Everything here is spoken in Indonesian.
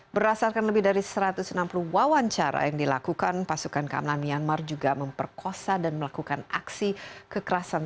berdasarkan lebih dari satu ratus enam puluh wawancara yang dilakukan pasukan keamanan myanmar juga memperkosa dan melakukan aksi kekerasan